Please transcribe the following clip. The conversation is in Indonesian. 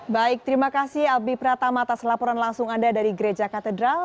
baik terima kasih albi pratama atas laporan langsung anda dari gereja katedral